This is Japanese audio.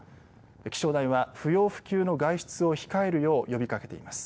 気象台は不要不急の外出を控えるよう呼びかけています。